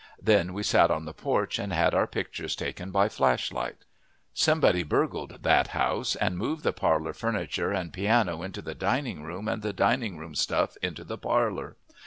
Then we sat on the porch and had our pictures taken by flashlight. Somebody burgled That House and moved the parlor furniture and piano into the dining room and the dining room stuff into the parlor.